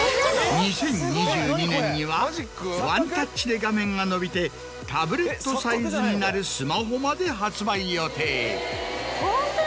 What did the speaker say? ２０２２年にはワンタッチで画面が伸びてタブレットサイズになるスマホまで発売予定。